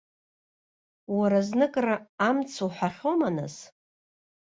Уара зныкыр амц уҳәахьоума нас?